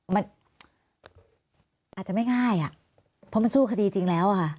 มันอาจจะไม่ง่ายอ่ะเพราะมันสู้คดีจริงแล้วอะค่ะ